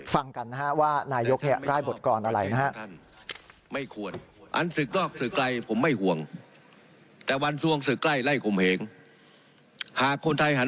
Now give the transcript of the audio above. ฟังกันว่านายยกแหล่ะร่ายบทกรณอะไรนะฮะ